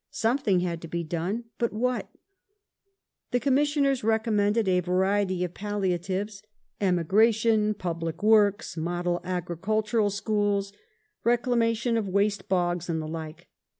Something had to be done ; but what ? The commissioners recommended a variety of palliatives : emi gration, public works, model agricultural schools, reclamation of waste bogs, and the like.